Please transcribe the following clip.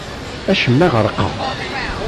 Acemma ɣerqeɣ.